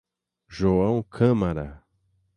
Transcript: João Câmara